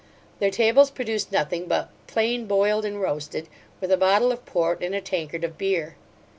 Their tables produced nothing but plain boiled and roasted, with a bottle of port and a tankard of beer.